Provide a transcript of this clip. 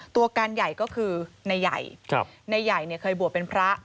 ตัวการใหญ่ก็คือนายใยนายใยเคยบวชเป็นพระ